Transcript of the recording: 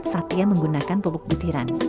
untuk pemupukan satya menggunakan pupuk butiran